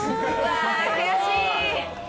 悔しい。